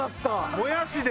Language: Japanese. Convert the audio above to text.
もやしで。